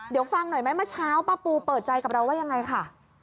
เดี๋ยวฟังหน่อยไหมเมื่อเช้าป้าปูเปิดใจกับเราว่ายังไงค่ะ